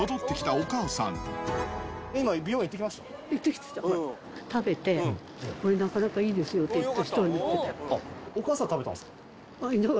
お母さん、食べたんですか。